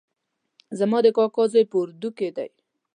زما د کاکا زوی په اردو کې ده